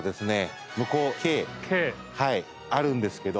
あるんですけど。